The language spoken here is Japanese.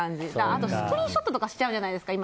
あとスクリーンショットとかしちゃうじゃないですか。